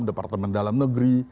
departemen dalam negeri